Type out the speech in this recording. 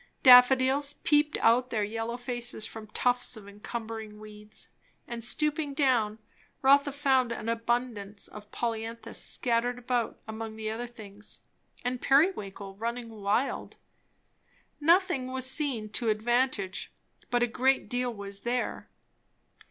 Daffodils peeped out their yellow faces from tufts of encumbering weeds; and stooping down, Rotha found an abundance of polyanthus scattered about among the other things, and periwinkle running wild. Nothing was seen to advantage, but a great deal was there.